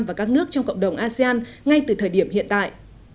và các nước trong cộng đồng asean ngay từ thời điểm hiện tại